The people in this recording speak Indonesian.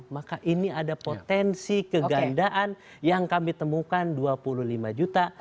maka ini ada potensi kegandaan yang kami temukan dua puluh lima juta